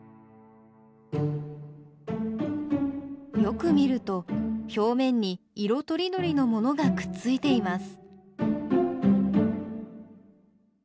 よく見ると表面に色とりどりのものがくっついています。